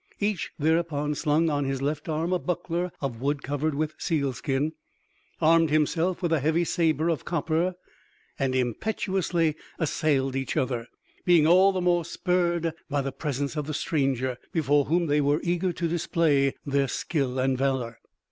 Each thereupon slung on his left arm a buckler of wood covered with seal skin, armed himself with a heavy sabre of copper, and impetuously assailed each other, being all the more spurred by the presence of the stranger, before whom they were eager to display their skill and valor.